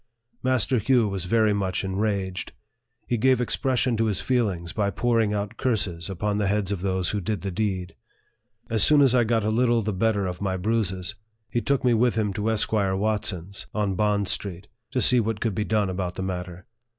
Master Hugh was very much enraged. He gave expression to his feelings by pouring out curses upon the heads of those who did the deed. As soon as I got a little the better of my bruises, he took me with him to Esquire Watson's, on Bond Street, to see what could be done about the matter.